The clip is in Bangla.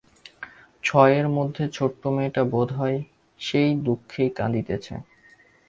ছই-এর মধ্যের ছোট্ট মেয়েটা বোধ হয় সেই দুঃখেই কাঁদিতেছে।